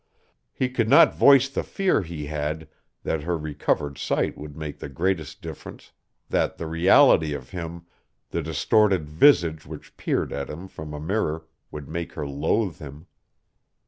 He could not voice the fear he had that her recovered sight would make the greatest difference, that the reality of him, the distorted visage which peered at him from a mirror would make her loathe him.